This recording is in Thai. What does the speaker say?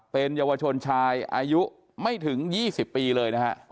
เป็นเยาวชนชายอายุไม่ถึง๒๐ปีเลยนะฮะ